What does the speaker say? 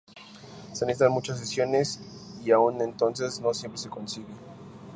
Se necesitan muchas sesiones y, aun entonces, no siempre se consigue.